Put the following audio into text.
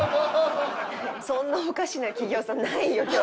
そんなおかしな企業さんないよ京子。